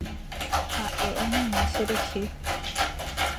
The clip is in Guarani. Ha’e omaña cherehe.